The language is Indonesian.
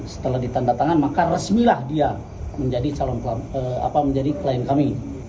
setelah ditanda tangan maka resmilah dia menjadi klien kami